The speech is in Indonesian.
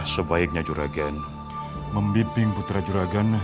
sebaiknya juragan membimbing putra juragan